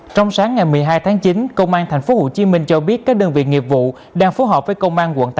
trong sáng ngày một mươi hai tháng chín công an tp hcm cho biết các đơn vị nghiệp vụ đang phối hợp với công an quận tám